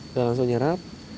udah langsung nyerap